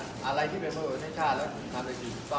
ทำไมเหมือนว่าสภาพมันคือศึกล่ะ